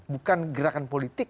bukan gerakan politik